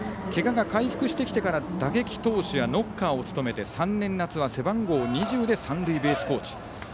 けがが回復してきてから打撃投手やノッカーを務めて３年夏は背番号２０で三塁ベースコーチ。